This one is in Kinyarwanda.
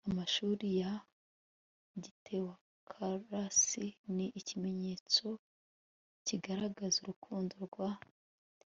Amashuri ya Gitewokarasi ni ikimenyetso kigaragaza urukundo rwa